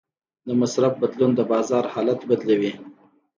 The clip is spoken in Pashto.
د مصرف بدلون د بازار حالت بدلوي.